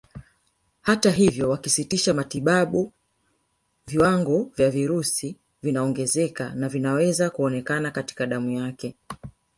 Hata hivyo wakisitisha matibabu viwango vya virusi vinaongezeka na vinaweza kuonekana katika damu yake